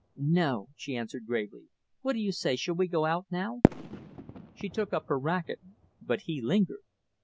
"No!" she answered, gravely. "What do you say shall we go out now?" She took up her racket, but he lingered.